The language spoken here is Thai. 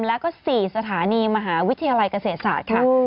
และก็๔สถานีมหาวิทยาลัยเกษฐศาสตร์